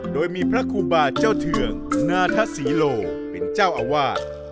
โดยมีพระครูบาเจ้าเถวงนาธาศีโรเป็นเจ้าอวาด